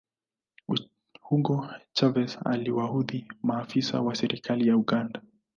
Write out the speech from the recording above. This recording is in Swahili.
hugo chavez aliwaudhi maafisa wa serikali ya uganda